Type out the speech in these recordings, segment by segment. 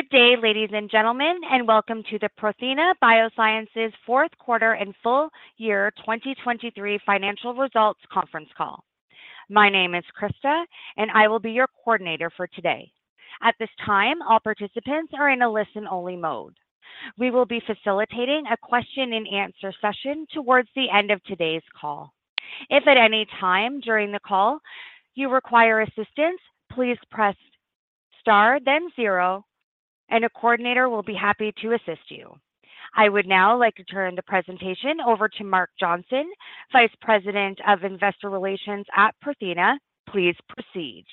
Good day, ladies and gentlemen, and welcome to the Prothena Fourth Quarter and Full Year 2023 Financial Results Conference Call. My name is Krista, and I will be your coordinator for today. At this time, all participants are in a listen-only mode. We will be facilitating a question-and-answer session towards the end of today's call. If at any time during the call you require assistance, please press Star, then zero, and a coordinator will be happy to assist you. I would now like to turn the presentation over to Mark Johnson, Vice President of Investor Relations at Prothena. Please proceed.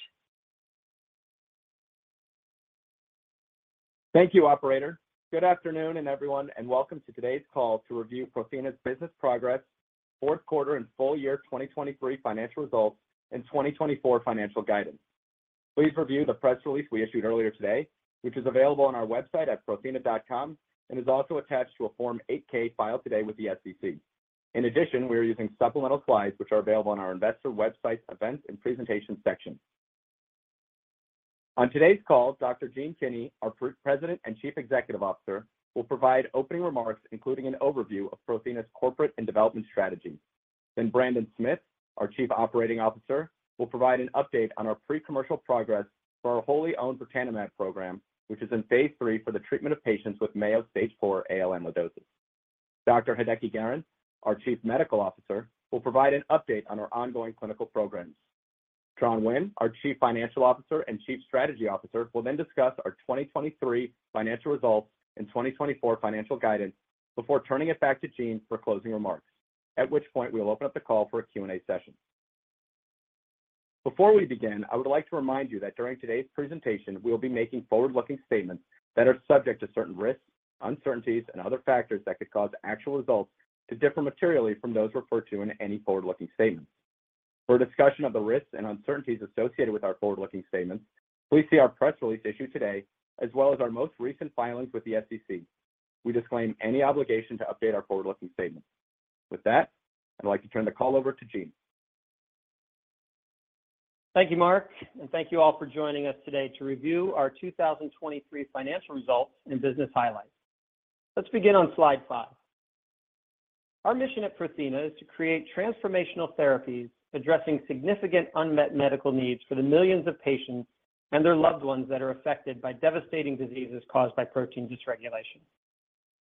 Thank you, operator. Good afternoon, everyone, and welcome to today's call to review Prothena's business progress, Fourth Quarter and Full Year 2023 Financial Results, and 2024 financial guidance. Please review the press release we issued earlier today, which is available on our website at prothena.com and is also attached to a Form 8-K filed today with the SEC. In addition, we are using supplemental slides, which are available on our investor website's Events and Presentations section. On today's call, Dr. Gene Kinney, our President and Chief Executive Officer, will provide opening remarks, including an overview of Prothena's corporate and development strategy. Then Brandon Smith, our Chief Operating Officer, will provide an update on our pre-commercial progress for our wholly-owned birtamimab program, which is in phase III for the treatment of patients with Mayo Stage IV AL amyloidosis. Dr. Hideki Garren, our Chief Medical Officer, will provide an update on our ongoing clinical programs. Tran Nguyen, our Chief Financial Officer and Chief Strategy Officer, will then discuss our 2023 financial results and 2024 financial guidance before turning it back to Gene for closing remarks, at which point we will open up the call for a Q&A session. Before we begin, I would like to remind you that during today's presentation, we will be making forward-looking statements that are subject to certain risks, uncertainties, and other factors that could cause actual results to differ materially from those referred to in any forward-looking statements. For a discussion of the risks and uncertainties associated with our forward-looking statements, please see our press release issued today, as well as our most recent filings with the SEC. We disclaim any obligation to update our forward-looking statements. With that, I'd like to turn the call over to Gene. Thank you, Mark, and thank you all for joining us today to review our 2023 financial results and business highlights. Let's begin on slide five. Our mission at Prothena is to create transformational therapies addressing significant unmet medical needs for the millions of patients and their loved ones that are affected by devastating diseases caused by protein dysregulation.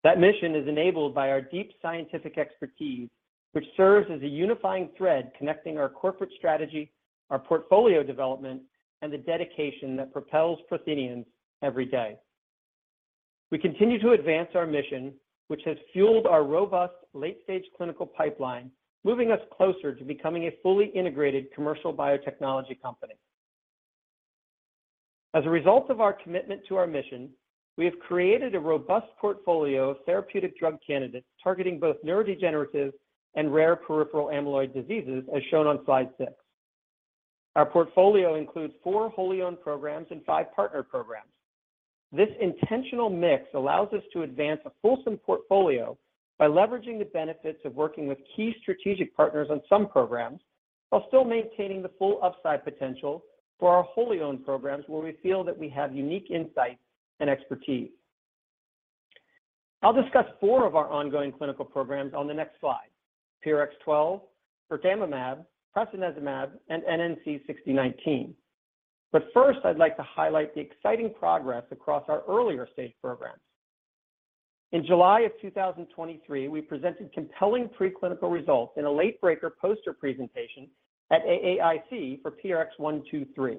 That mission is enabled by our deep scientific expertise, which serves as a unifying thread connecting our corporate strategy, our portfolio development, and the dedication that propels Protheanians every day. We continue to advance our mission, which has fueled our robust late-stage clinical pipeline, moving us closer to becoming a fully integrated commercial biotechnology company. As a result of our commitment to our mission, we have created a robust portfolio of therapeutic drug candidates targeting both neurodegenerative and rare peripheral amyloid diseases, as shown on Slide six. Our portfolio includes four wholly owned programs and five partner programs. This intentional mix allows us to advance a fulsome portfolio by leveraging the benefits of working with key strategic partners on some programs, while still maintaining the full upside potential for our wholly owned programs, where we feel that we have unique insights and expertise. I'll discuss four of our ongoing clinical programs on the next slide: PRX012, birtamimab, prasinezumab, and NNC6019. But first, I'd like to highlight the exciting progress across our earlier stage programs. In July of 2023, we presented compelling preclinical results in a late-breaker poster presentation at AAIC for PRX123,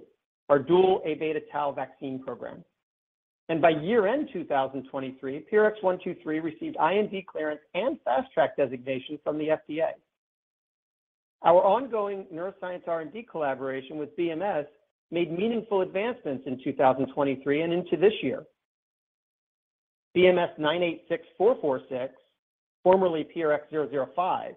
our dual Aβ/tau vaccine program. And by year-end 2023, PRX123 received IND clearance and Fast Track designation from the FDA. Our ongoing neuroscience R&D collaboration with BMS made meaningful advancements in 2023 and into this year. BMS-986446, formerly PRX005,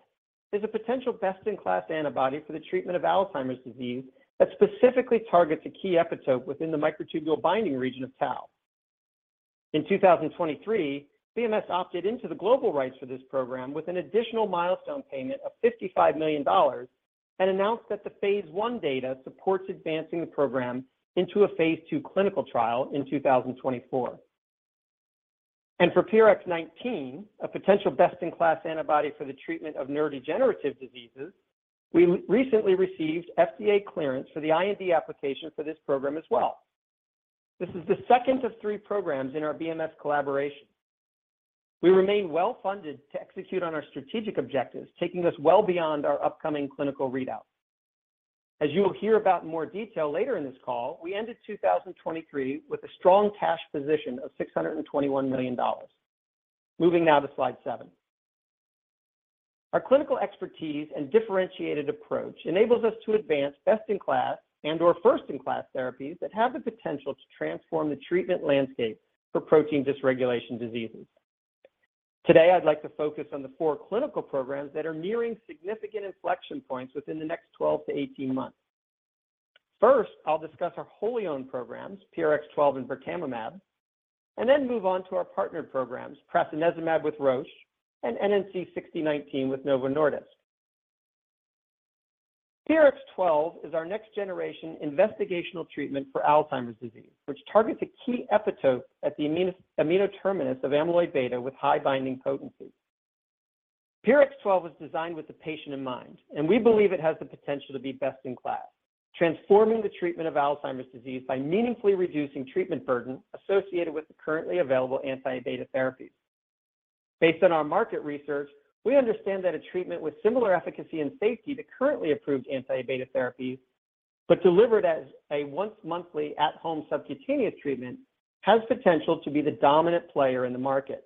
is a potential best-in-class antibody for the treatment of Alzheimer's disease that specifically targets a key epitope within the microtubule binding region of tau. In 2023, BMS opted into the global rights for this program with an additional milestone payment of $55 million and announced that the phase I data supports advancing the program into a phase II clinical trial in 2024. For PRX019, a potential best-in-class antibody for the treatment of neurodegenerative diseases, we recently received FDA clearance for the IND application for this program as well. This is the second of three programs in our BMS collaboration. We remain well-funded to execute on our strategic objectives, taking us well beyond our upcoming clinical readout. As you will hear about in more detail later in this call, we ended 2023 with a strong cash position of $621 million. Moving now to Slide seven. Our clinical expertise and differentiated approach enables us to advance best-in-class and/or first-in-class therapies that have the potential to transform the treatment landscape for protein dysregulation diseases. Today, I'd like to focus on the four clinical programs that are nearing significant inflection points within the next 12-18 months. First, I'll discuss our wholly owned programs, PRX012 and birtamimab, and then move on to our partnered programs, prasinezumab with Roche and NNC6019 with Novo Nordisk. PRX012 is our next-generation investigational treatment for Alzheimer's disease, which targets a key epitope at the N-terminus of amyloid beta with high binding potency. PRX012 was designed with the patient in mind, and we believe it has the potential to be best in class, transforming the treatment of Alzheimer's disease by meaningfully reducing treatment burden associated with the currently available anti-beta therapies. Based on our market research, we understand that a treatment with similar efficacy and safety to currently approved anti-beta therapies, but delivered as a once-monthly at-home subcutaneous treatment, has potential to be the dominant player in the market.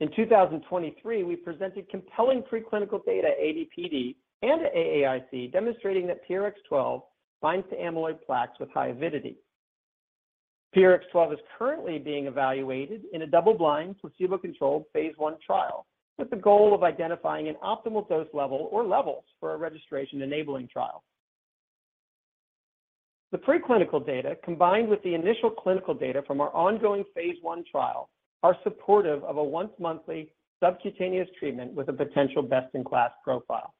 In 2023, we presented compelling preclinical data at AD/PD and at AAIC, demonstrating that PRX012 binds to amyloid plaques with high avidity. PRX012 is currently being evaluated in a double-blind, placebo-controlled phase I trial, with the goal of identifying an optimal dose level or levels for a registration-enabling trial. The preclinical data, combined with the initial clinical data from our ongoing phase I trial, are supportive of a once-monthly subcutaneous treatment with a potential best-in-class profile.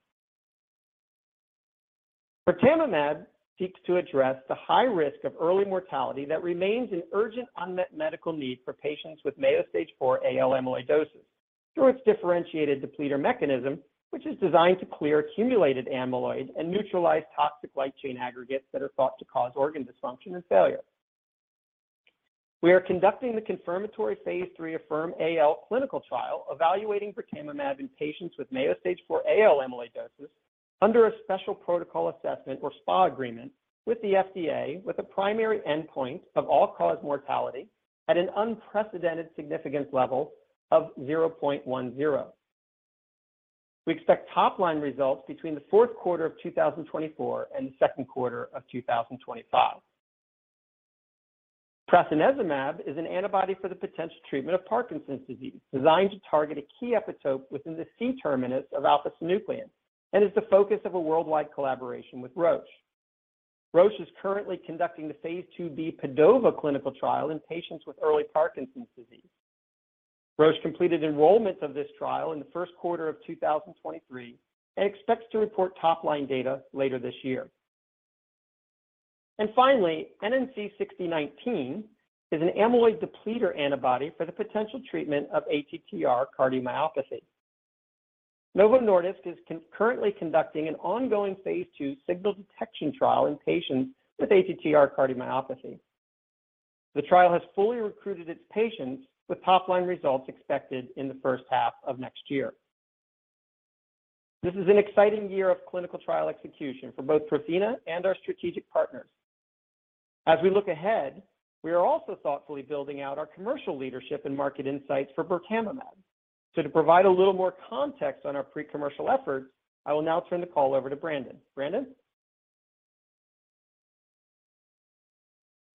Birtamimab seeks to address the high risk of early mortality that remains an urgent, unmet medical need for patients with Mayo Stage IV AL amyloidosis through its differentiated depleter mechanism, which is designed to clear accumulated amyloid and neutralize toxic light chain aggregates that are thought to cause organ dysfunction and failure. We are conducting the confirmatory phase III AFFIRM-AL clinical trial, evaluating birtamimab in patients with Mayo Stage IV AL amyloidosis under a Special Protocol Assessment, or SPA, agreement with the FDA, with a primary endpoint of all-cause mortality at an unprecedented significance level of 0.10. We expect top-line results between the fourth quarter of 2024 and the second quarter of 2025. Prasinezumab is an antibody for the potential treatment of Parkinson's disease, designed to target a key epitope within the C-terminus of alpha-synuclein and is the focus of a worldwide collaboration with Roche. Roche is currently conducting the phase IIb PADOVA clinical trial in patients with early Parkinson's disease. Roche completed enrollment of this trial in the first quarter of 2023 and expects to report top-line data later this year. And finally, NNC6019 is an amyloid depleter antibody for the potential treatment of ATTR cardiomyopathy. Novo Nordisk is concurrently conducting an ongoing phase II signal detection trial in patients with ATTR cardiomyopathy. The trial has fully recruited its patients, with top-line results expected in the first half of next year. This is an exciting year of clinical trial execution for both Prothena and our strategic partners. As we look ahead, we are also thoughtfully building out our commercial leadership and market insights for birtamimab. So to provide a little more context on our pre-commercial efforts, I will now turn the call over to Brandon. Brandon?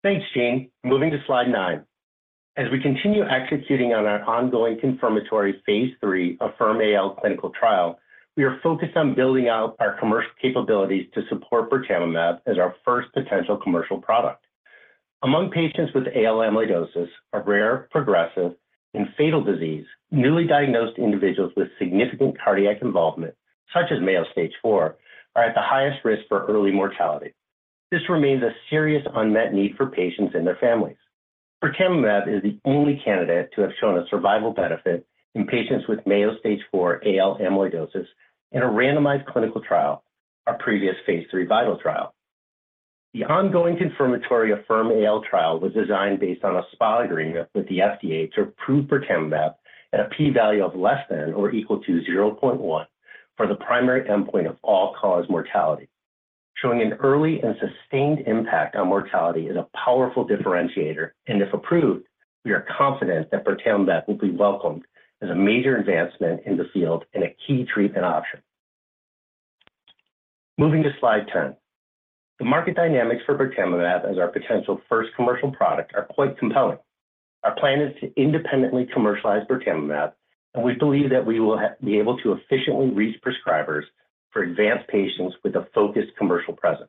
Thanks, Gene. Moving to Slide nine. As we continue executing on our ongoing confirmatory Phase III AFFIRM-AL clinical trial, we are focused on building out our commercial capabilities to support birtamimab as our first potential commercial product. Among patients with AL amyloidosis, a rare, progressive, and fatal disease, newly diagnosed individuals with significant cardiac involvement, such as Mayo Stage IV, are at the highest risk for early mortality. This remains a serious unmet need for patients and their families. Birtamimab is the only candidate to have shown a survival benefit in patients with Mayo Stage IV AL amyloidosis in a randomized clinical trial, our previous Phase III VITAL trial. The ongoing confirmatory AFFIRM-AL trial was designed based on a SPA agreement with the FDA to approve birtamimab at a P value of less than or equal to 0.1 for the primary endpoint of all-cause mortality. Showing an early and sustained impact on mortality is a powerful differentiator, and if approved, we are confident that birtamimab will be welcomed as a major advancement in the field and a key treatment option. Moving to Slide 10. The market dynamics for birtamimab as our potential first commercial product are quite compelling. Our plan is to independently commercialize birtamimab, and we believe that we will be able to efficiently reach prescribers for advanced patients with a focused commercial presence.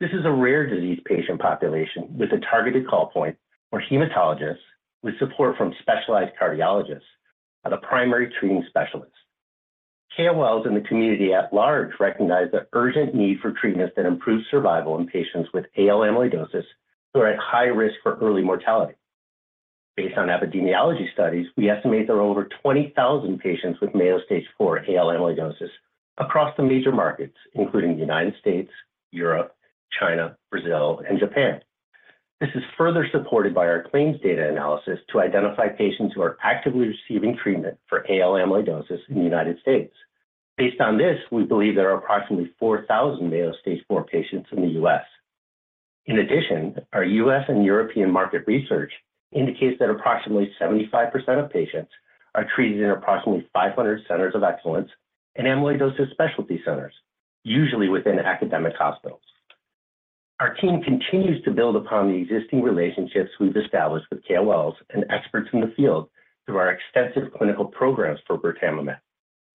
This is a rare disease patient population with a targeted call point where hematologists, with support from specialized cardiologists, are the primary treating specialists. KOLs in the community at large recognize the urgent need for treatments that improve survival in patients with AL amyloidosis who are at high risk for early mortality. Based on epidemiology studies, we estimate there are over 20,000 patients with Mayo Stage IV AL amyloidosis across the major markets, including the United States, Europe, China, Brazil, and Japan. This is further supported by our claims data analysis to identify patients who are actively receiving treatment for AL amyloidosis in the United States. Based on this, we believe there are approximately 4,000 Mayo Stage IV patients in the U.S. In addition, our U.S. and European market research indicates that approximately 75% of patients are treated in approximately 500 centers of excellence and amyloidosis specialty centers, usually within academic hospitals. Our team continues to build upon the existing relationships we've established with KOLs and experts in the field through our extensive clinical programs for birtamimab.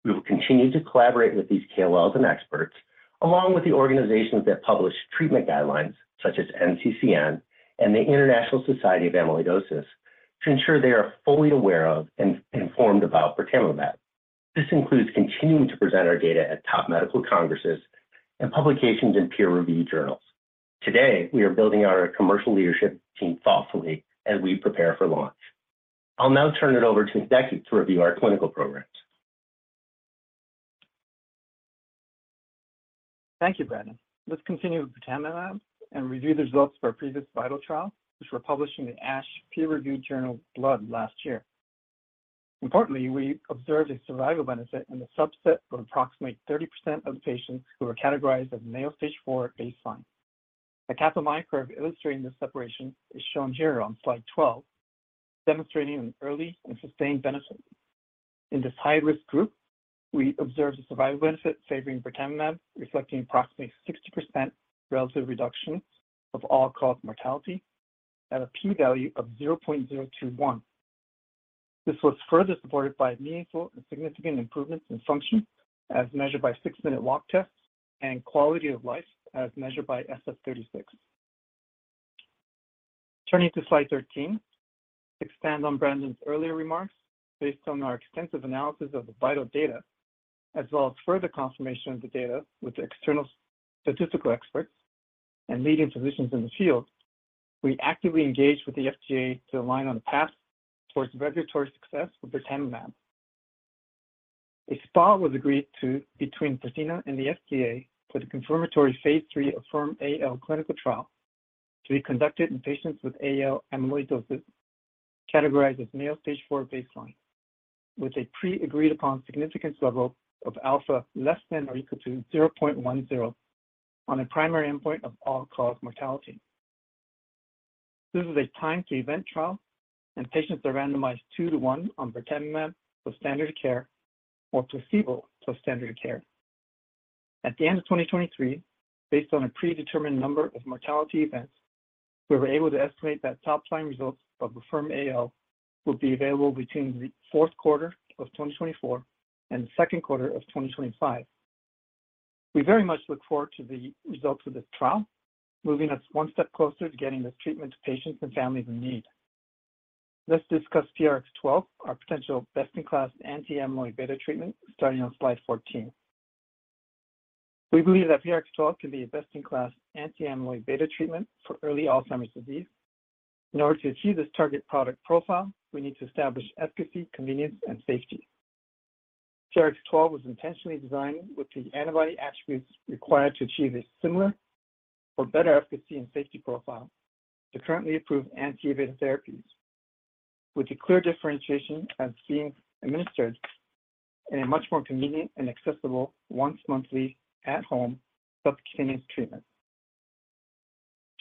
We will continue to collaborate with these KOLs and experts, along with the organizations that publish treatment guidelines, such as NCCN and the International Society of Amyloidosis... to ensure they are fully aware of and informed about birtamimab. This includes continuing to present our data at top medical congresses and publications in peer-reviewed journals. Today, we are building our commercial leadership team thoughtfully as we prepare for launch. I'll now turn it over to Hideki to review our clinical programs. Thank you, Brandon. Let's continue with birtamimab and review the results of our previous VITAL trial, which were published in the ASH peer-reviewed journal, Blood, last year. Importantly, we observed a survival benefit in the subset of approximately 30% of patients who were categorized as Mayo Stage IV at baseline. A Kaplan-Meier curve illustrating this separation is shown here on slide 12, demonstrating an early and sustained benefit. In this high-risk group, we observed a survival benefit favoring birtamimab, reflecting approximately 60% relative reduction of all-cause mortality at a P value of 0.021. This was further supported by meaningful and significant improvements in function as measured by six-minute walk test, and quality of life as measured by SF-36. Turning to slide 13, expand on Brandon's earlier remarks. Based on our extensive analysis of the VITAL data, as well as further confirmation of the data with external statistical experts and leading physicians in the field, we actively engaged with the FDA to align on a path towards regulatory success with birtamimab. An SPA was agreed to between Prothena and the FDA for the confirmatory phase III AFFIRM-AL clinical trial to be conducted in patients with AL amyloidosis, categorized as Mayo Stage IV baseline, with a pre-agreed-upon significance level of alpha less than or equal to 0.10 on a primary endpoint of all-cause mortality. This is a time to event trial, and patients are randomized 2:1 on birtamimab with standard care or placebo to standard of care. At the end of 2023, based on a predetermined number of mortality events, we were able to estimate that top-line results of the AFFIRM-AL will be available between the fourth quarter of 2024 and the second quarter of 2025. We very much look forward to the results of this trial, moving us one step closer to getting this treatment to patients and families in need. Let's discuss PRX012, our potential best-in-class anti-amyloid beta treatment, starting on slide 14. We believe that PRX012 can be a best-in-class anti-amyloid beta treatment for early Alzheimer's disease. In order to achieve this target product profile, we need to establish efficacy, convenience, and safety. PRX012 was intentionally designed with the antibody attributes required to achieve a similar or better efficacy and safety profile to currently approved anti-amyloid beta therapies, with a clear differentiation as being administered in a much more convenient and accessible once-monthly, at-home subcutaneous treatment.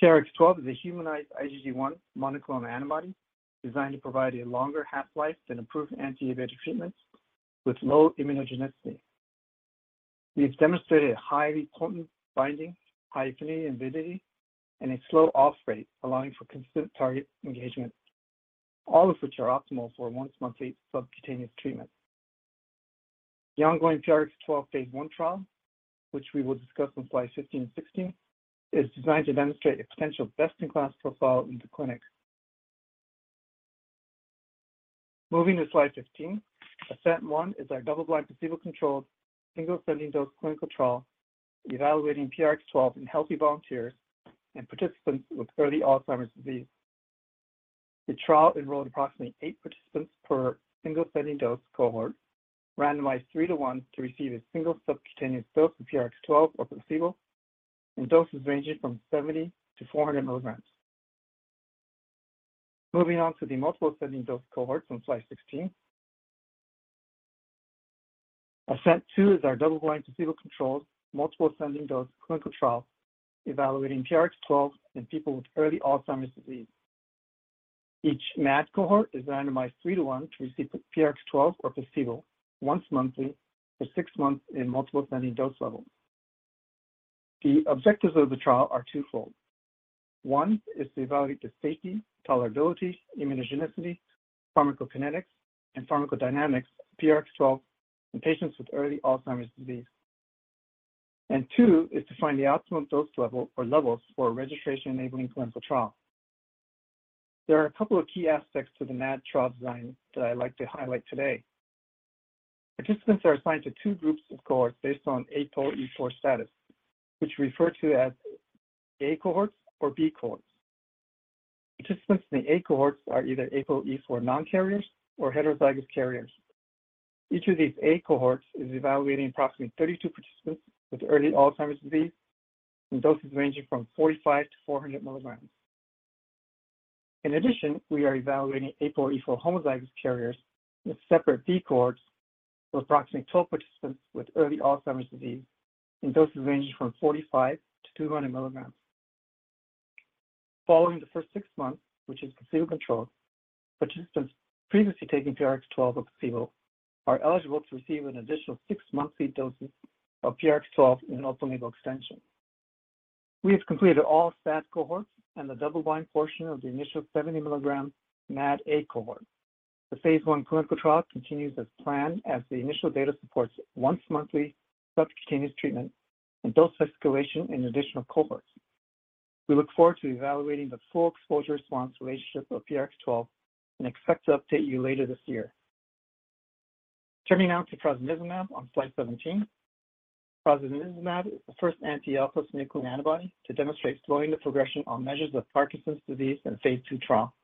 PRX012 is a humanized IgG1 monoclonal antibody designed to provide a longer half-life than approved anti-amyloid beta treatments with low immunogenicity. We've demonstrated a highly potent binding, high affinity and avidity, and a slow off rate, allowing for consistent target engagement, all of which are optimal for a once-monthly subcutaneous treatment. The ongoing PRX012 phase I trial, which we will discuss on slide 15 and 16, is designed to demonstrate a potential best-in-class profile in the clinic. Moving to slide 15, ASCENT-1 is our double-blind, placebo-controlled, single-ascending dose clinical trial evaluating PRX012 in healthy volunteers and participants with early Alzheimer's disease. The trial enrolled approximately eight participants per single ascending dose cohort, randomized 3:1 to receive a single subcutaneous dose of PRX012 or placebo, and doses ranging from 70 mg-400 mg. Moving on to the multiple ascending dose cohorts on slide 16. ASCENT-2 is our double-blind, placebo-controlled, multiple ascending dose clinical trial evaluating PRX012 in people with early Alzheimer's disease. Each MAD cohort is randomized 3:1 to receive PRX012 or placebo once monthly for 6 months in multiple ascending dose levels. The objectives of the trial are twofold. One is to evaluate the safety, tolerability, immunogenicity, pharmacokinetics, and pharmacodynamics of PRX012 in patients with early Alzheimer's disease. Two is to find the optimum dose level or levels for a registration-enabling clinical trial. There are a couple of key aspects to the MAD trial design that I'd like to highlight today. Participants are assigned to two groups of cohorts based on APOE4 status, which we refer to as A cohorts or B cohorts. Participants in the A cohorts are either APOE4 non-carriers or heterozygous carriers. Each of these A cohorts is evaluating approximately 32 participants with early Alzheimer's disease, and doses ranging from 45 mg-400 mg. In addition, we are evaluating APOE4 homozygous carriers in separate B cohorts, with approximately 12 participants with early Alzheimer's disease, in doses ranging from 45 mg-200 mg. Following the first six months, which is placebo-controlled, participants previously taking PRX012 or placebo are eligible to receive an additional six monthly doses of PRX012 in an open-label extension. We have completed all SAD cohorts and the double-blind portion of the initial 70 mg MAD A cohort. The phase 1 clinical trial continues as planned as the initial data supports once monthly subcutaneous treatment and dose escalation in additional cohorts. We look forward to evaluating the full exposure response relationship of PRX012 and expect to update you later this year. Turning now to prasinezumab on slide 17. Prasinezumab is the first anti-alpha-synuclein antibody to demonstrate slowing the progression on measures of Parkinson's disease in phase II trial.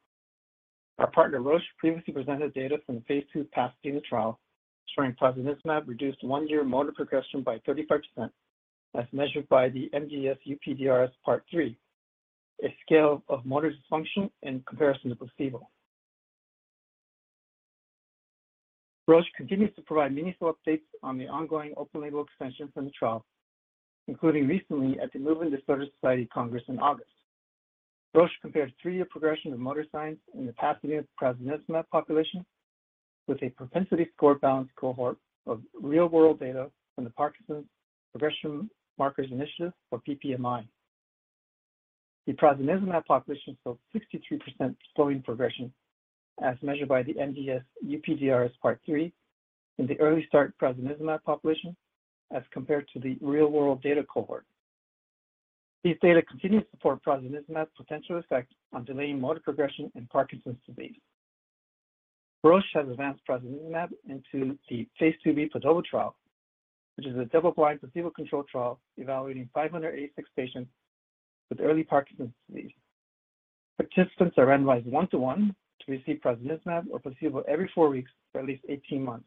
Our partner, Roche, previously presented data from the phase II PASADENA trial, showing prasinezumab reduced one-year motor progression by 35%, as measured by the MDS-UPDRS Part III, a scale of motor dysfunction in comparison to placebo Movement Disorder Society Congress. Roche continues to provide meaningful updates on the ongoing open-label extension from the trial, including recently at the Movement Disorder Society Congress in August. Roche compared three-year progression of motor signs in the PASADENA prasinezumab population with a propensity score balanced cohort of real-world data from the Parkinson's Progression Markers Initiative, or PPMI. The prasinezumab population saw 63% slowing progression, as measured by the MDS-UPDRS Part III in the early start prasinezumab population as compared to the real-world data cohort. These data continue to support prasinezumab's potential effect on delaying motor progression in Parkinson's disease. Roche has advanced prasinezumab into the Phase IIb PADOVA trial, which is a double-blind, placebo-controlled trial evaluating 586 patients with early Parkinson's disease. Participants are randomized 1:1 to receive prasinezumab or placebo every four weeks for at least 18 months.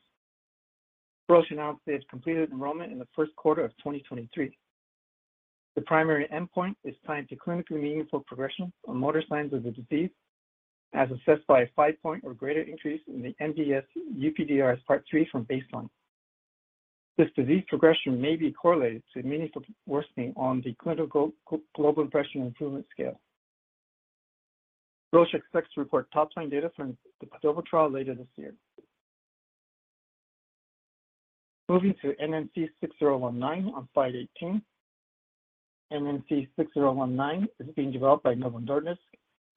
Roche announced they have completed enrollment in the first quarter of 2023. The primary endpoint is time to clinically meaningful progression on motor signs of the disease, as assessed by a 5-point or greater increase in the MDS-UPDRS Part III from baseline. This disease progression may be correlated to meaningful worsening on the Clinical Global Impression-Improvement scale. Roche expects to report top line data from the PADOVA trial later this year. Moving to NNC6019 on slide 18. NNC6019 is being developed by Novo Nordisk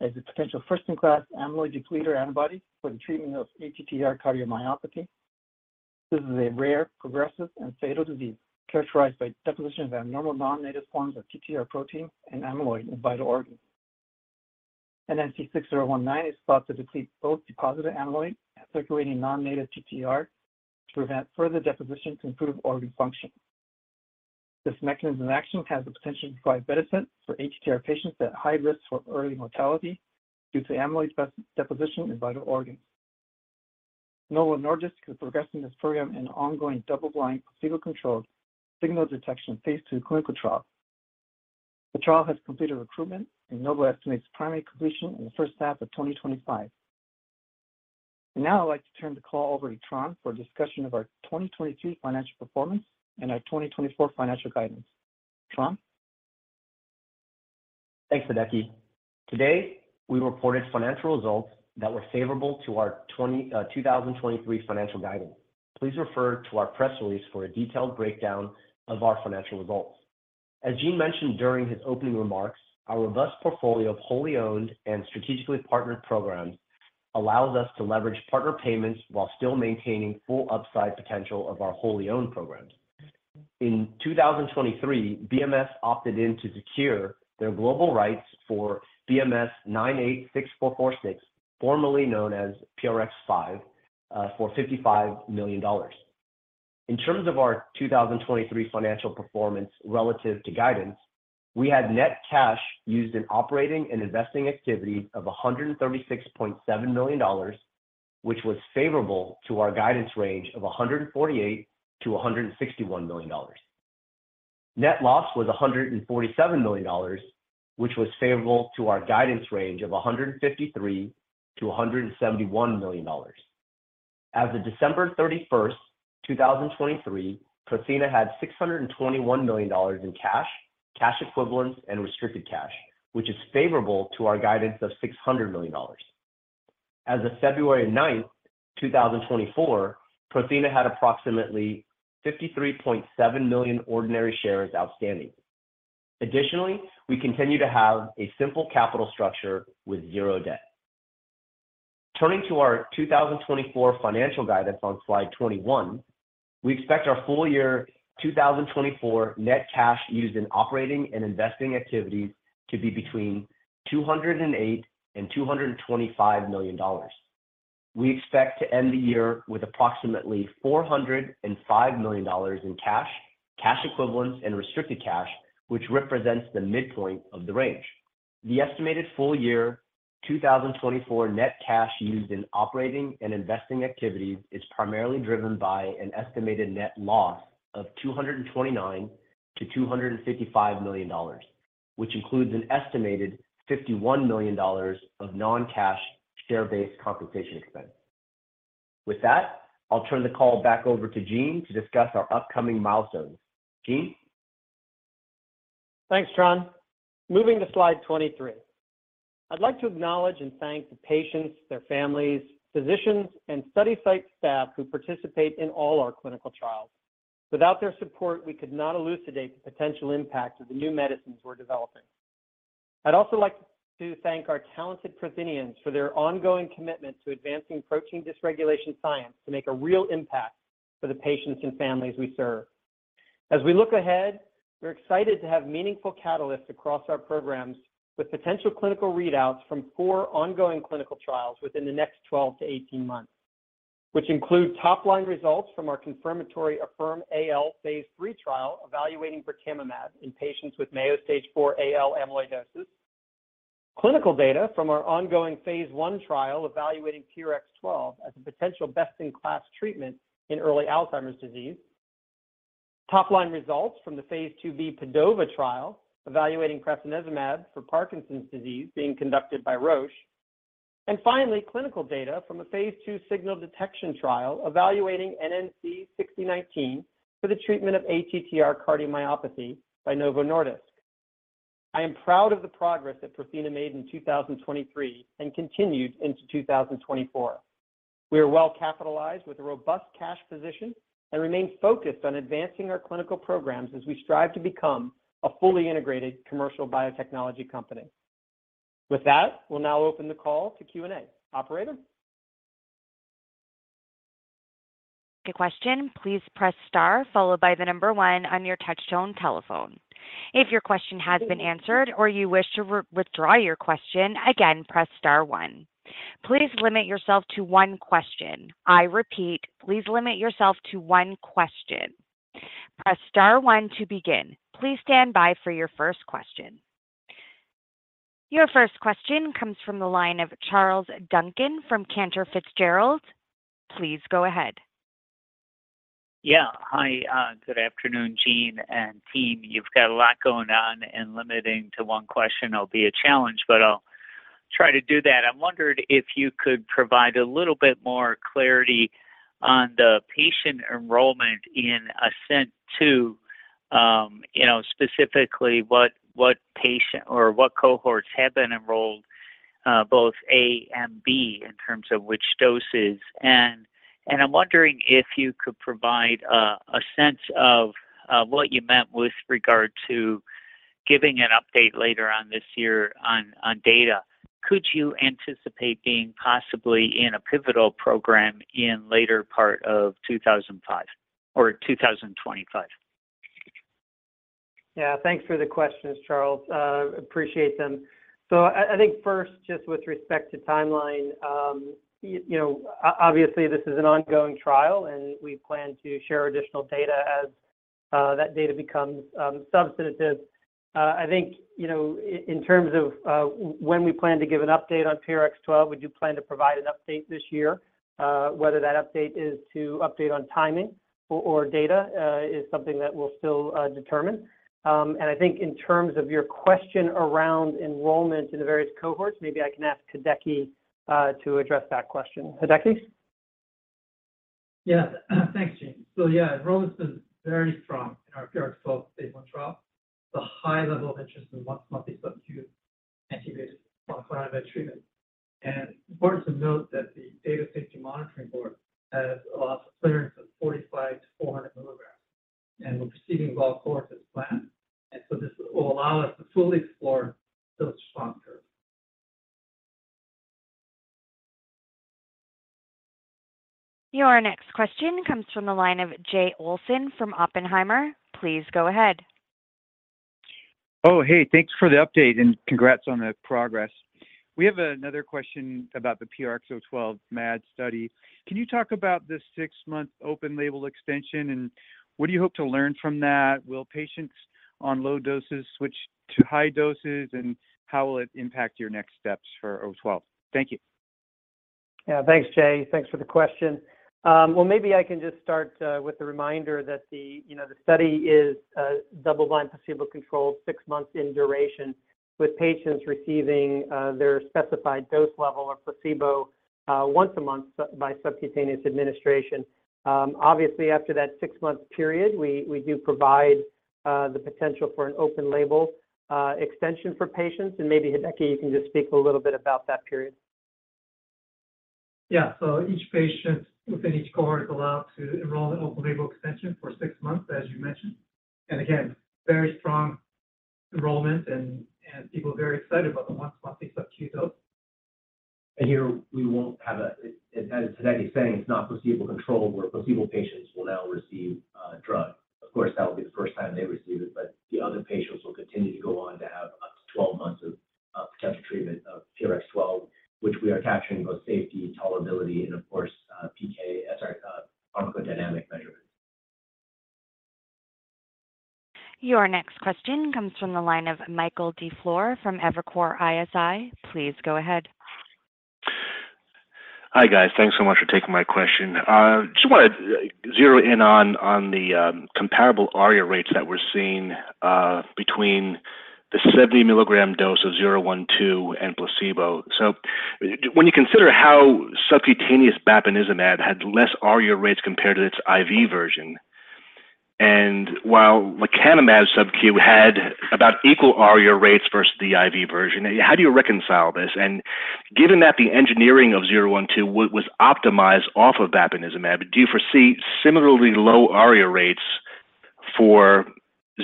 as a potential first-in-class amyloid depleter antibody for the treatment of ATTR cardiomyopathy. This is a rare, progressive, and fatal disease characterized by deposition of abnormal non-native forms of TTR protein and amyloid in vital organs. NNC6019 is thought to deplete both deposited amyloid and circulating non-native TTR to prevent further deposition to improve organ function. This mechanism of action has the potential to provide benefit for ATTR patients at high risk for early mortality due to amyloid deposition in vital organs. Novo Nordisk is progressing this program in an ongoing double-blind, placebo-controlled signal detection phase II clinical trial. The trial has completed recruitment, and Novo estimates primary completion in the first half of 2025. Now, I'd like to turn the call over to Tran for a discussion of our 2022 financial performance and our 2024 financial guidance. Tran? Thanks, Hideki. Today, we reported financial results that were favorable to our 2023 financial guidance. Please refer to our press release for a detailed breakdown of our financial results. As Gene mentioned during his opening remarks, our robust portfolio of wholly owned and strategically partnered programs allows us to leverage partner payments while still maintaining full upside potential of our wholly owned programs. In 2023, BMS opted in to secure their global rights for BMS-986446, formerly known as PRX005, for $55 million. In terms of our 2023 financial performance relative to guidance, we had net cash used in operating and investing activities of $136.7 million, which was favorable to our guidance range of $148 million-$161 million. Net loss was $147 million, which was favorable to our guidance range of $153 million-$171 million. As of December thirty-first, 2023, Prothena had $621 million in cash, cash equivalents, and restricted cash, which is favorable to our guidance of $600 million. As of February ninth, 2024, Prothena had approximately 53.7 million ordinary shares outstanding. Additionally, we continue to have a simple capital structure with zero debt. Turning to our 2024 financial guidance on slide 21, we expect our full year 2024 net cash used in operating and investing activities to be between $208 million and $225 million. We expect to end the year with approximately $405 million in cash, cash equivalents, and restricted cash, which represents the midpoint of the range. The estimated full year 2024 net cash used in operating and investing activities is primarily driven by an estimated net loss of $229 million-$255 million, which includes an estimated $51 million of non-cash share-based compensation expense. With that, I'll turn the call back over to Gene to discuss our upcoming milestones. Gene? Thanks, Tran. Moving to slide 23. I'd like to acknowledge and thank the patients, their families, physicians, and study site staff who participate in all our clinical trials. Without their support, we could not elucidate the potential impacts of the new medicines we're developing.... I'd also like to thank our talented Prothenians for their ongoing commitment to advancing protein dysregulation science to make a real impact for the patients and families we serve. As we look ahead, we're excited to have meaningful catalysts across our programs, with potential clinical readouts from four ongoing clinical trials within the next 12-18 months, which include top-line results from our confirmatory AFFIRM-AL phase III trial, evaluating birtamimab in patients with Mayo Stage IV AL amyloidosis. Clinical data from our ongoing phase I trial evaluating PRX012 as a potential best-in-class treatment in early Alzheimer's disease. Top-line results from the phase IIb PADOVA trial, evaluating prasinezumab for Parkinson's disease being conducted by Roche. And finally, clinical data from a phase II signal detection trial evaluating NNC6019 for the treatment of ATTR cardiomyopathy by Novo Nordisk. I am proud of the progress that Prothena made in 2023, and continued into 2024. We are well-capitalized with a robust cash position and remain focused on advancing our clinical programs as we strive to become a fully integrated commercial biotechnology company. With that, we'll now open the call to Q&A. Operator? To question, please press star followed by the number one on your touchtone telephone. If your question has been answered or you wish to re-withdraw your question, again, press star one. Please limit yourself to one question. I repeat, please limit yourself to one question. Press star one to begin. Please stand by for your first question. Your first question comes from the line of Charles Duncan from Cantor Fitzgerald. Please go ahead. Yeah. Hi, good afternoon, Gene and team. You've got a lot going on, and limiting to one question will be a challenge, but I'll try to do that. I wondered if you could provide a little bit more clarity on the patient enrollment in ASCENT-2, you know, specifically what, what patient or what cohorts have been enrolled, both A and B, in terms of which doses? And, and I'm wondering if you could provide a sense of what you meant with regard to giving an update later on this year on data. Could you anticipate being possibly in a pivotal program in later part of 2005... or 2025? Yeah, thanks for the questions, Charles. Appreciate them. So I think first, just with respect to timeline, you know, obviously, this is an ongoing trial, and we plan to share additional data as that data becomes substantive. I think, you know, in terms of when we plan to give an update on PRX012, we do plan to provide an update this year. Whether that update is to update on timing or data is something that we'll still determine. And I think in terms of your question around enrollment in the various cohorts, maybe I can ask Hideki to address that question. Hideki? Yes. Thanks, Gene. So yeah, enrollment has been very strong in our PRX012 phase I trial. The high level of interest in once-monthly subcutaneous integrated monoclonal treatment. And important to note that the Data Safety Monitoring Board has allowed for clearance of 45 mg-400 mg and we're proceeding well forward as planned, and so this will allow us to fully explore those response curves. Your next question comes from the line of Jay Olson from Oppenheimer. Please go ahead. Oh, hey, thanks for the update and congrats on the progress. We have another question about the PRX012 MAD study. Can you talk about this six-month open-label extension, and what do you hope to learn from that? Will patients on low doses switch to high doses, and how will it impact your next steps for 012? Thank you. Yeah, thanks, Jay. Thanks for the question. Well, maybe I can just start with a reminder that the, you know, the study is a double-blind, placebo-controlled, 6 months in duration, with patients receiving their specified dose level or placebo once a month by subcutaneous administration. Obviously, after that 6-month period, we, we do provide the potential for an open-label extension for patients, and maybe, Hideki, you can just speak a little bit about that period. Yeah. So each patient within each cohort is allowed to enroll in open-label extension for six months, as you mentioned. And again, very strong enrollment and people are very excited about the once-monthly subcu dose. Here, we won't have, as Hideki is saying, it's not placebo-controlled, where placebo patients will now receive drug. Of course, that will be the first time they receive it, but the other patients will continue to go on to have up to 12 months of potential treatment of PRX012, which we are capturing both safety, tolerability, and of course, PK, as our pharmacodynamic measurement. Your next question comes from the line of Michael DiFiore from Evercore ISI. Please go ahead. Hi, guys. Thanks so much for taking my question. Just wanted to zero in on the comparable ARIA rates that we're seeing between the 70 mg dose of 012 and placebo. So when you consider how subcutaneous bapineuzumab had less ARIA rates compared to its IV version, and while lecanemab subcu had about equal ARIA rates versus the IV version, how do you reconcile this? And given that the engineering of 012 was optimized off of bapineuzumab, do you foresee similarly low ARIA rates for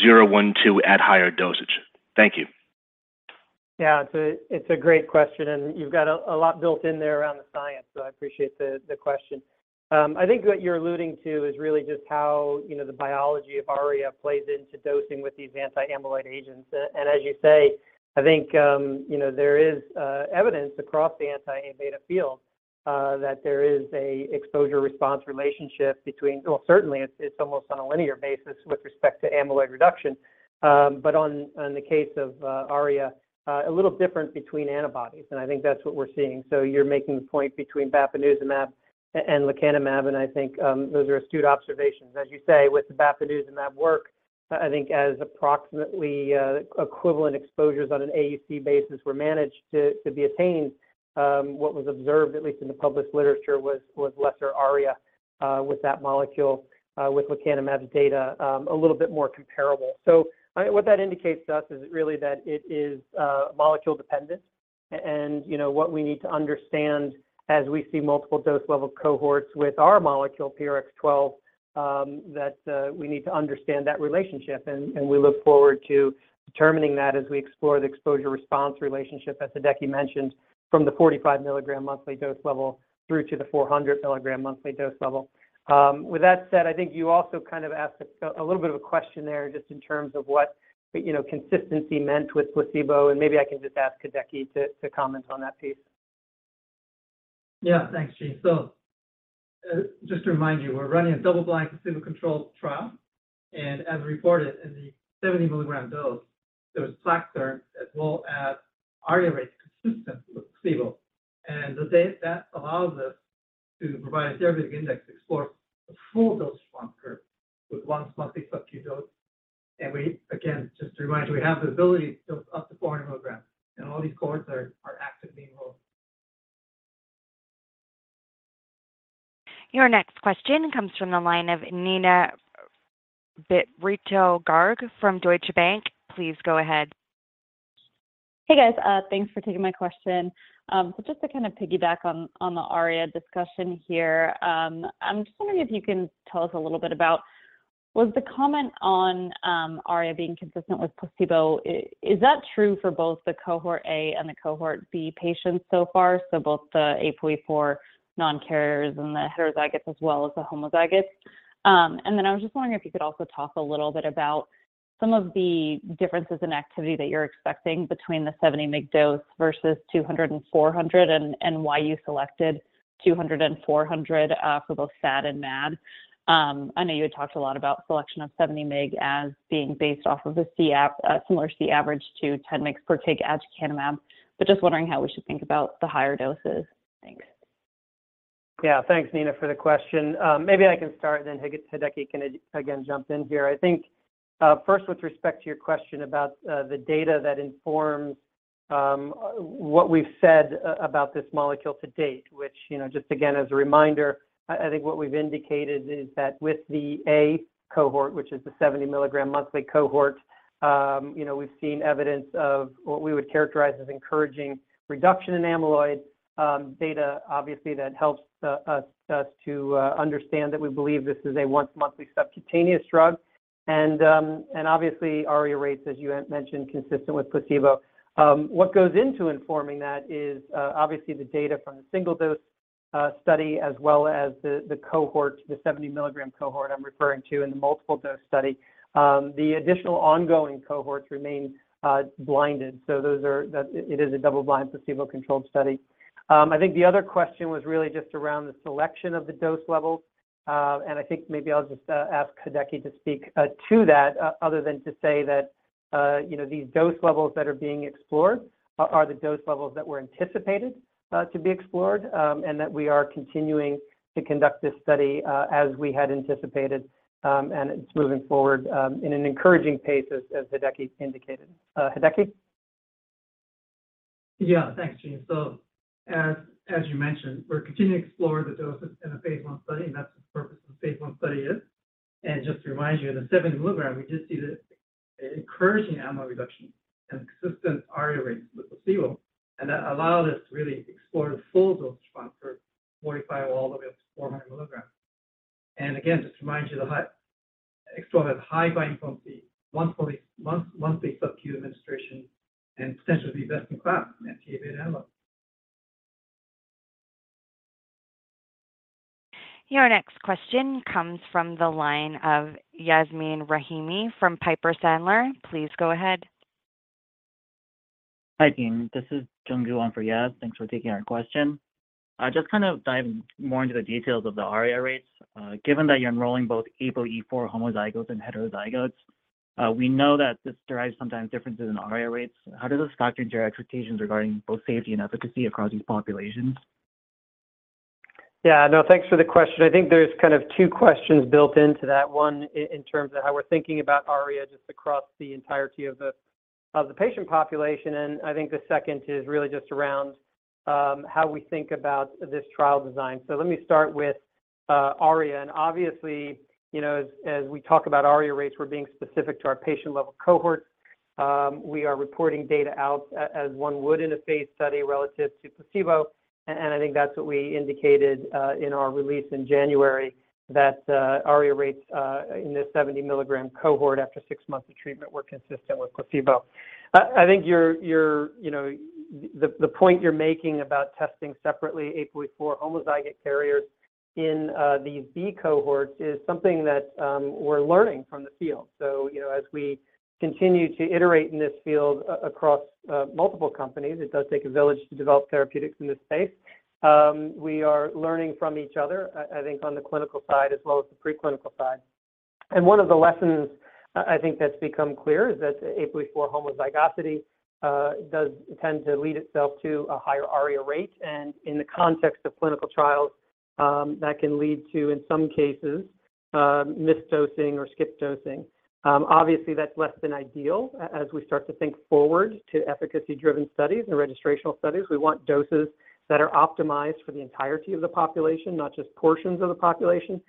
012 at higher dosage? Thank you. Yeah, it's a great question, and you've got a lot built in there around the science, so I appreciate the question. I think what you're alluding to is really just how, you know, the biology of ARIA plays into dosing with these anti-amyloid agents. And as you say, I think, you know, there is evidence across the anti-A beta field that there is an exposure-response relationship between. Well, certainly, it's almost on a linear basis with respect to amyloid reduction. But on the case of ARIA, a little different between antibodies, and I think that's what we're seeing. So you're making a point between aducanumab and lecanemab, and I think those are astute observations. As you say, with the bapineuzumab work, I think approximately equivalent exposures on an AUC basis were managed to be attained, what was observed, at least in the published literature, was lesser ARIA with that molecule, with lecanemab data a little bit more comparable. So, what that indicates to us is really that it is molecule dependent, and, you know, what we need to understand as we see multiple dose level cohorts with our molecule, PRX012, that we need to understand that relationship. And we look forward to determining that as we explore the exposure-response relationship, as Hideki mentioned, from the 45 mg monthly dose level through to the 400 mg monthly dose level. With that said, I think you also kind of asked a little bit of a question there just in terms of what, you know, consistency meant with placebo, and maybe I can just ask Hideki to comment on that piece. Yeah. Thanks, Gene. So, just to remind you, we're running a double-blind, placebo-controlled trial, and as reported in the 70 mg dose, there was plaque reduction as well as ARIA rates consistent with placebo. And the data that allows us to provide a therapeutic index to explore the full dose response curve with once-monthly subq dose. And we, again, just to remind you, we have the ability to up to 400 mg, and all these cohorts are actively enrolled. Your next question comes from the line of Neena Bitritto-Garg from Deutsche Bank. Please go ahead. Hey, guys. Thanks for taking my question. So just to kind of piggyback on the ARIA discussion here, I'm just wondering if you can tell us a little bit about... Was the comment on ARIA being consistent with placebo, is that true for both the cohort A and the cohort B patients so far, so both the APOE4 non-carriers and the heterozygotes as well as the homozygotes? And then I was just wondering if you could also talk a little bit about some of the differences in activity that you're expecting between the 70 mg dose versus 200 mg and 400 mg, and why you selected 200 mg and 400 mg for both SAD and MAD. I know you had talked a lot about selection of 70 mg as being based off of the C, similar C average to 10 mg/kg aducanumab, but just wondering how we should think about the higher doses. Thanks. Yeah. Thanks, Nina, for the question. Maybe I can start, and then Hideki can, again, jump in here. I think, first, with respect to your question about the data that informs what we've said about this molecule to date, which, you know, just again, as a reminder, I think what we've indicated is that with the A cohort, which is the 70 mg monthly cohort, you know, we've seen evidence of what we would characterize as encouraging reduction in amyloid data. Obviously, that helps us to understand that we believe this is a once monthly subcutaneous drug. And obviously, ARIA rates, as you had mentioned, consistent with placebo. What goes into informing that is, obviously, the data from the single-dose study, as well as the cohort, the 70 mg cohort I'm referring to in the multiple dose study. The additional ongoing cohorts remain blinded, so those are. That it is a double-blind, placebo-controlled study. I think the other question was really just around the selection of the dose levels. And I think maybe I'll just ask Hideki to speak to that, other than to say that, you know, these dose levels that are being explored are the dose levels that were anticipated to be explored. And that we are continuing to conduct this study as we had anticipated, and it's moving forward in an encouraging pace, as Hideki indicated. Hideki? Yeah. Thanks, Gene. So as you mentioned, we're continuing to explore the doses in a phase I study, and that's the purpose of the phase I study is. And just to remind you, in the 70 mg, we just see the encouraging amyloid reduction and consistent ARIA rates with placebo, and that allowed us to really explore the full dose response for 45 mg all the way up to 400 mg. And again, just to remind you, explore that high binding potency, monthly SubQ administration, and potentially best-in-class anti-amyloid analog. Your next question comes from the line of Yasmeen Rahimi from Piper Sandler. Please go ahead. Hi, team. This is Jon Yuan for Yas. Thanks for taking our question. Just kind of dive more into the details of the ARIA rates. Given that you're enrolling both APOE4 homozygotes and heterozygotes, we know that this derives sometimes differences in ARIA rates. How does this factor into your expectations regarding both safety and efficacy across these populations? Yeah. No, thanks for the question. I think there's kind of two questions built into that, one in terms of how we're thinking about ARIA, just across the entirety of the, of the patient population, and I think the second is really just around how we think about this trial design. So let me start with ARIA. And obviously, you know, as, as we talk about ARIA rates, we're being specific to our patient-level cohort. We are reporting data out as one would in a phase study relative to placebo. And, and I think that's what we indicated in our release in January, that ARIA rates in the 70 mgcohort after six months of treatment were consistent with placebo. I think your the point you're making about testing separately APOE4 homozygous carriers in these B cohorts is something that we're learning from the field. So, you know, as we continue to iterate in this field across multiple companies, it does take a village to develop therapeutics in this space. We are learning from each other, I think, on the clinical side as well as the preclinical side. And one of the lessons I think that's become clear is that APOE4 homozygosity does tend to lead itself to a higher ARIA rate. And in the context of clinical trials, that can lead to, in some cases, missed dosing or skipped dosing. Obviously, that's less than ideal. As we start to think forward to efficacy-driven studies and registrational studies, we want doses that are optimized for the entirety of the population, not just portions of the population.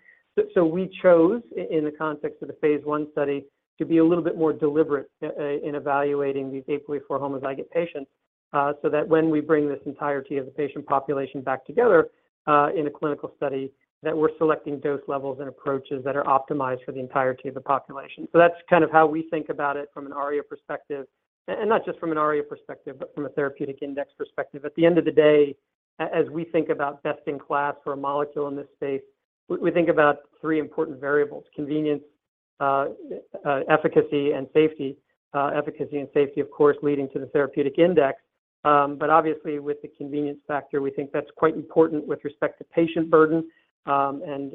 So we chose in the context of the phase I study, to be a little bit more deliberate in evaluating these APOE4 homozygous patients, so that when we bring this entirety of the patient population back together, in a clinical study, that we're selecting dose levels and approaches that are optimized for the entirety of the population. So that's kind of how we think about it from an ARIA perspective, and not just from an ARIA perspective, but from a therapeutic index perspective. At the end of the day, as we think about best-in-class for a molecule in this space, we think about three important variables: convenience, efficacy, and safety. Efficacy and safety, of course, leading to the therapeutic index. But obviously, with the convenience factor, we think that's quite important with respect to patient burden. And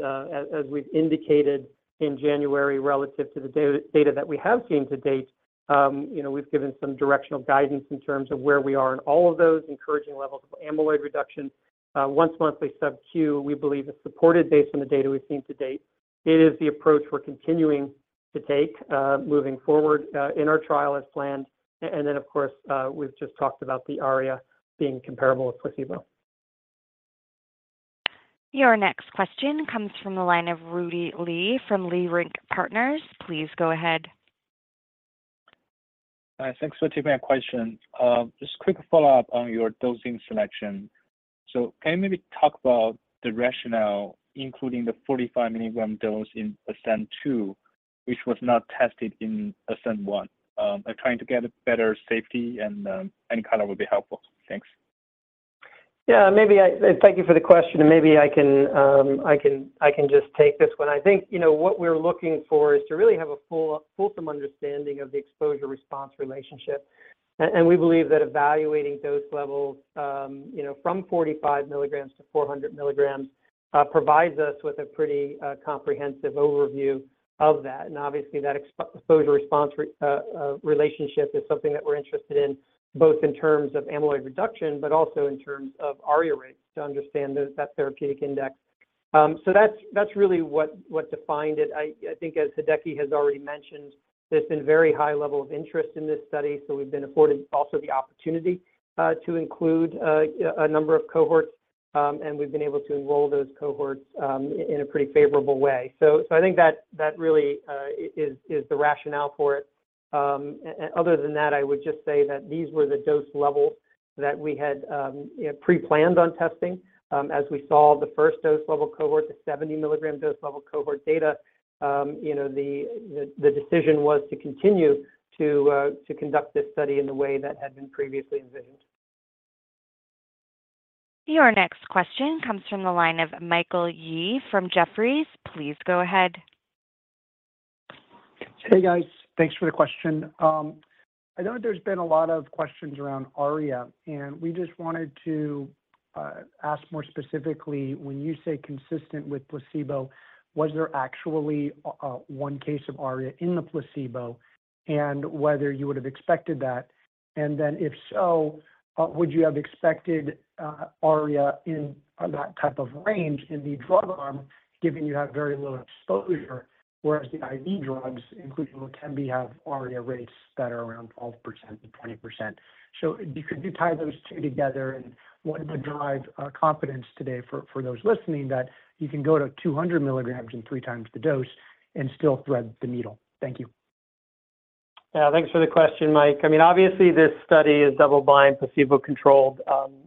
as we've indicated in January, relative to the data that we have seen to date, you know, we've given some directional guidance in terms of where we are in all of those encouraging levels of amyloid reduction. Once-monthly subQ, we believe, is supported based on the data we've seen to date. It is the approach we're continuing to take moving forward in our trial as planned. And then, of course, we've just talked about the ARIA being comparable with placebo. Your next question comes from the line of Rudy Li from Leerink Partners. Please go ahead. Thanks for taking my question. Just a quick follow-up on your dosing selection. So can you maybe talk about the rationale, including the 45 mg dose in ASCENT-2, which was not tested in ASCENT-1? I'm trying to get a better safety and, any color would be helpful. Thanks. Yeah, maybe. Thank you for the question, and maybe I can just take this one. I think, you know, what we're looking for is to really have a full, fulsome understanding of the exposure-response relationship. And we believe that evaluating dose levels, you know, from 45 mg-400 mg provides us with a pretty comprehensive overview of that. And obviously, that exposure-response relationship is something that we're interested in, both in terms of amyloid reduction, but also in terms of ARIA rates, to understand that therapeutic index. So that's really what defined it. I think as Hideki has already mentioned, there's been very high level of interest in this study, so we've been afforded also the opportunity to include a number of cohorts, and we've been able to enroll those cohorts in a pretty favorable way. So I think that really is the rationale for it. And other than that, I would just say that these were the dose levels that we had, you know, pre-planned on testing. As we saw the first dose level cohort, the 70 mg dose level cohort data, you know, the decision was to continue to conduct this study in the way that had been previously envisioned. Your next question comes from the line of Michael Yee from Jefferies. Please go ahead. Hey, guys. Thanks for the question. I know there's been a lot of questions around ARIA, and we just wanted to ask more specifically, when you say consistent with placebo, was there actually one case of ARIA in the placebo, and whether you would have expected that? And then, if so, would you have expected ARIA in that type of range in the drug arm, given you have very little exposure, whereas the IV drugs, including Leqembi, have ARIA rates that are around 12%-20%? So could you tie those two together, and what would drive our confidence today for those listening, that you can go to 200 mg and three times the dose and still thread the needle? Thank you. Yeah, thanks for the question, Mike. I mean, obviously, this study is double-blind, placebo-controlled.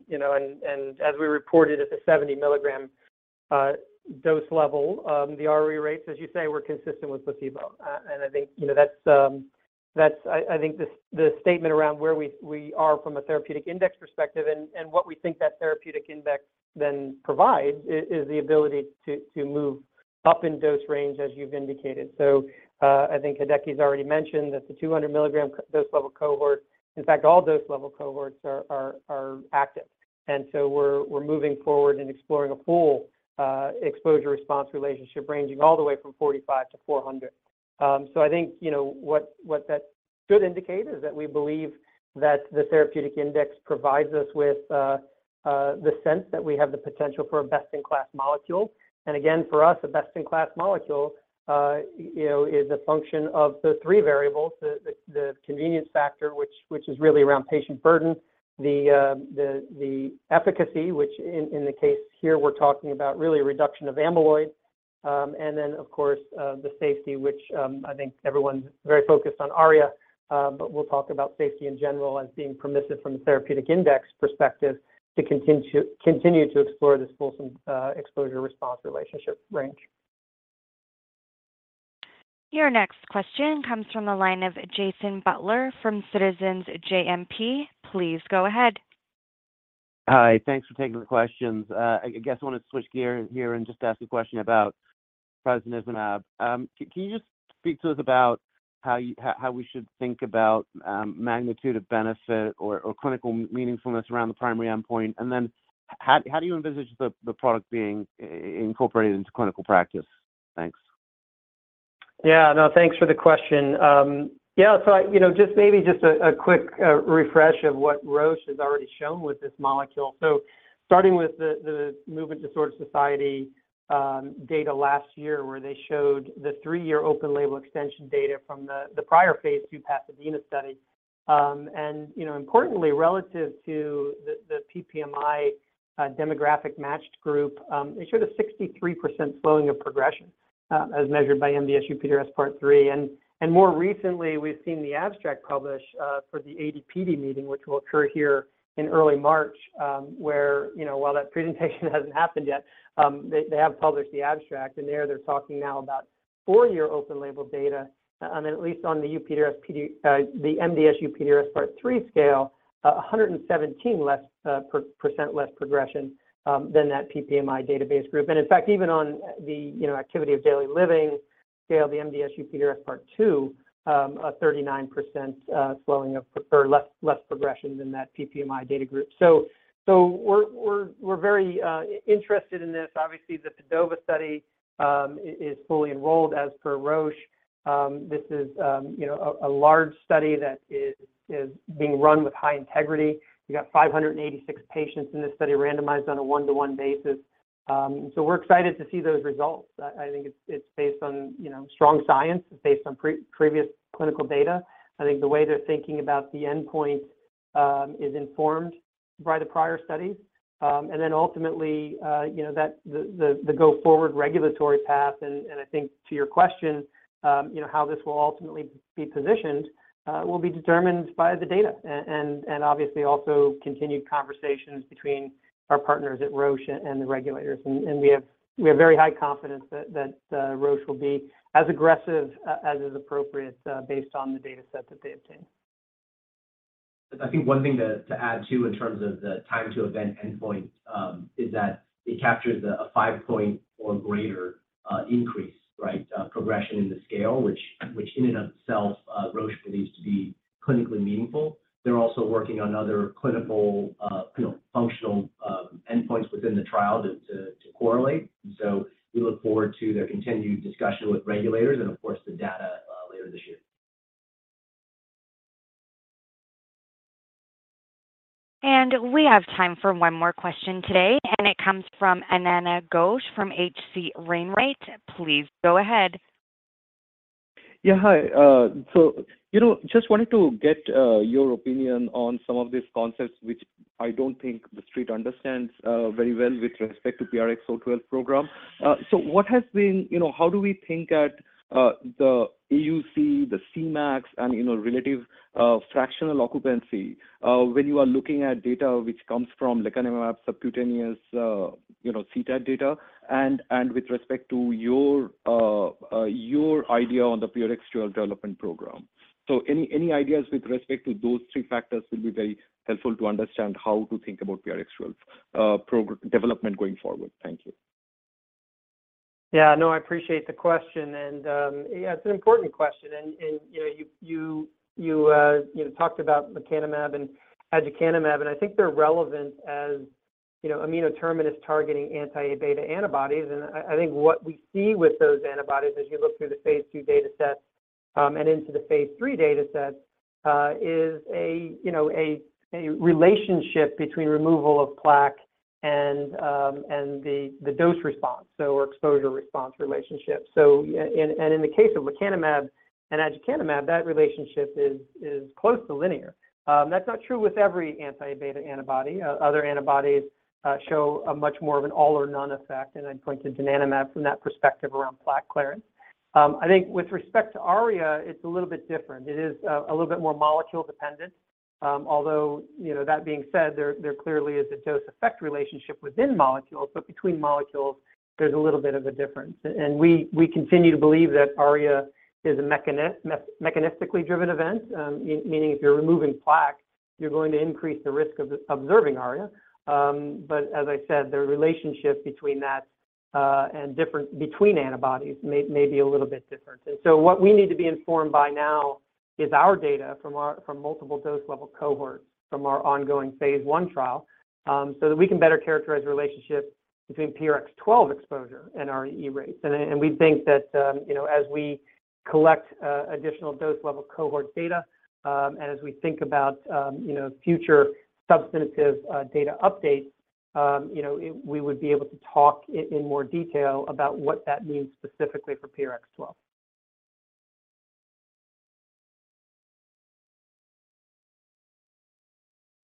You know, and as we reported at the 70 mg dose level, the ARIA rates, as you say, were consistent with placebo. And I think, you know, that's-- I think the statement around where we are from a therapeutic index perspective and what we think that therapeutic index then provides is the ability to move up in dose range, as you've indicated. So, I think Hideki's already mentioned that the 200 mg dose level cohort, in fact, all dose level cohorts are active, and so we're moving forward and exploring a full exposure-response relationship ranging all the way from 45 mg to 400 mg. So I think, you know, what, what that should indicate is that we believe that the therapeutic index provides us with the sense that we have the potential for a best-in-class molecule. And again, for us, a best-in-class molecule, you know, is a function of the three variables: the convenience factor, which is really around patient burden, the efficacy, which in the case here, we're talking about really a reduction of amyloid. And then, of course, the safety, which I think everyone's very focused on ARIA. But we'll talk about safety in general as being permissive from the therapeutic index perspective to continue to explore this full exposure-response relationship range. Your next question comes from the line of Jason Butler from Citizens JMP. Please go ahead. Hi. Thanks for taking the questions. I guess I want to switch gear here and just ask a question about prasinezumab. Can you just speak to us about how you, how we should think about, magnitude of benefit or, or clinical meaningfulness around the primary endpoint? And then how, how do you envisage the, the product being incorporated into clinical practice? Thanks. Yeah, no, thanks for the question. Yeah, so I, you know, just maybe a quick refresh of what Roche has already shown with this molecule. So starting with the Movement Disorder Society data last year, where they showed the 3-year open-label extension data from the prior phase 2 Pasadena study. And, you know, importantly, relative to the PPMI demographic matched group, they showed a 63% slowing of progression as measured by MDS-UPDRS Part. More recently, we've seen the abstract publish for the AD/PD meeting, which will occur here in early March, where, you know, while that presentation hasn't happened yet, they have published the abstract, and there they're talking now about 4-year open-label data on the MDS-UPDRS Part III scale, 117% less progression than that PPMI database group. And in fact, even on the, you know, activity of daily living scale, the MDS-UPDRS Part II, a 39% slowing or less progression than that PPMI data group. So we're very interested in this. Obviously, the PADOVA study is fully enrolled as per Roche. This is, you know, a large study that is being run with high integrity. You got 586 patients in this study randomized on a one-to-one basis. So we're excited to see those results. I think it's based on, you know, strong science. It's based on previous clinical data. I think the way they're thinking about the endpoint is informed by the prior studies. And then ultimately, you know, the go-forward regulatory path, and I think to your question, you know, how this will ultimately be positioned will be determined by the data and obviously also continued conversations between our partners at Roche and the regulators. We have very high confidence that Roche will be as aggressive as is appropriate, based on the dataset that they obtain. I think one thing to add, too, in terms of the time-to-event endpoint, is that it captures a five-point or greater increase, right, progression in the scale, which in and of itself, Roche believes to be clinically meaningful. They're also working on other clinical, you know, functional endpoints within the trial to correlate. So we look forward to their continued discussion with regulators and, of course, the data later this year. We have time for one more question today, and it comes from Ananda Ghosh from H.C. Wainwright. Please go ahead. Yeah. Hi. So, you know, just wanted to get your opinion on some of these concepts, which I don't think the Street understands very well with respect to PRX012 program. So what has been... You know, how do we think at the AUC, the Cmax, and, you know, relative fractional occupancy when you are looking at data which comes from lecanemab subcutaneous, you know, CTAD data, and with respect to your idea on the PRX012 development program? So any ideas with respect to those three factors will be very helpful to understand how to think about PRX012 program development going forward. Thank you. Yeah, no, I appreciate the question, and yeah, it's an important question. You know, you know, talked about lecanemab and aducanumab, and I think they're relevant as, you know, amino terminus-targeting anti-beta antibodies. I think what we see with those antibodies, as you look through the phase II dataset, and into the phase III dataset, is a, you know, relationship between removal of plaque and the dose-response or exposure-response relationship. So, yeah, in the case of lecanemab and aducanumab, that relationship is close to linear. That's not true with every anti-beta antibody. Other antibodies show a much more of an all-or-none effect, and I'd point to donanemab from that perspective around plaque clearance. I think with respect to ARIA, it's a little bit different. It is a little bit more molecule-dependent. Although, you know, that being said, there clearly is a dose-effect relationship within molecules, but between molecules, there's a little bit of a difference. And we continue to believe that ARIA is a mechanistically driven event, meaning if you're removing plaque, you're going to increase the risk of observing ARIA. But as I said, the relationship between that and different between antibodies may be a little bit different. And so what we need to be informed by now is our data from our multiple dose level cohorts from our ongoing phase I trial, so that we can better characterize the relationship between PRX012 exposure and ARIA rates. We think that, you know, as we collect additional dose level cohort data, and as we think about, you know, future substantive data updates, you know, we would be able to talk in more detail about what that means specifically for PRX012.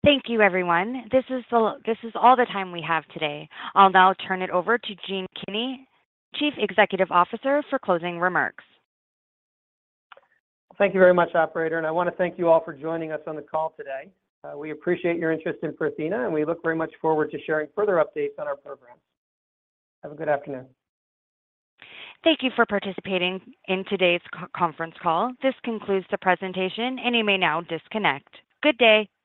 Thank you, everyone. This is all the time we have today. I'll now turn it over to Gene Kinney, Chief Executive Officer, for closing remarks. Thank you very much, operator, and I want to thank you all for joining us on the call today. We appreciate your interest in Prothena, and we look very much forward to sharing further updates on our program. Have a good afternoon. Thank you for participating in today's conference call. This concludes the presentation, and you may now disconnect. Good day!